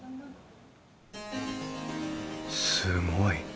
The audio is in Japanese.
すごい。